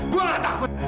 gua gak takut